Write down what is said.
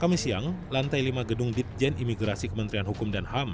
kami siang lantai lima gedung ditjen imigrasi kementerian hukum dan ham